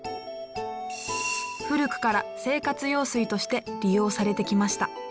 古くから生活用水として利用されてきました。